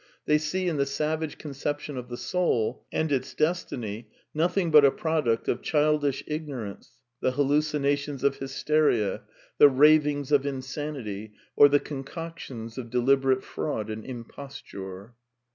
They see in the savage conception of the soul and its destiny nothing but a product of childish ignorance, the hallucinations of hysteria, the ravings of insanity, or the concoctions of deliberate fraud and imposture."